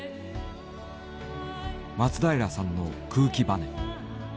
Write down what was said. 松平さんの空気バネ。